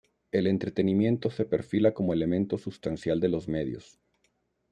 El entretenimiento se perfila como elemento sustancial de los medios.